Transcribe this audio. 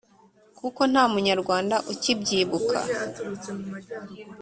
kuko nta munyarwanda ukibyibuka,